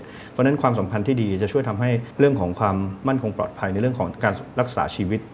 เพราะฉะนั้นความสัมพันธ์ที่ดีจะช่วยทำให้เรื่องของความมั่นคงปลอดภัยในเรื่องของการรักษาชีวิต